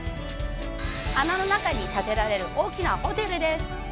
穴の中に建てられる大きなホテルです。